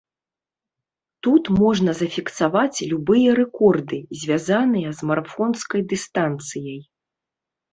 Тут можна зафіксаваць любыя рэкорды, звязаныя з марафонскай дыстанцыяй.